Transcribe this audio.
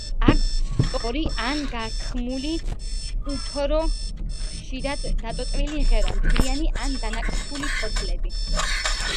აქვს სწორი ან გართხმული, უფრო ხშირად დატოტვილი ღერო, მთლიანი ან დანაკვთული ფოთლები.